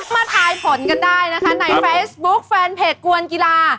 มาทายผลกันได้นะคะในเฟซบุ๊คแฟนเพจกวนกีฬา